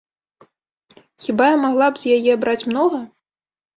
Хіба я магла б з яе браць многа?